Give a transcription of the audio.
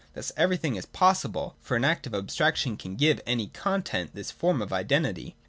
Thus everything is possible ; for an act of abstraction can give any content this form of identity.